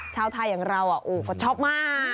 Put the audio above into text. ชาวไทยอย่างเราก็ชอบมาก